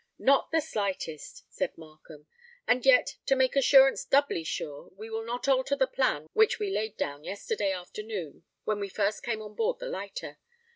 "Not the slightest," said Markham. "And yet, to make assurance doubly sure, we will not alter the plan which we laid down yesterday afternoon when we first came on board the lighter.